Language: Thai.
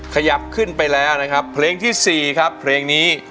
ขยับขึ้นไปแล้วนะครับเพลงที่๔ครับเพลงนี้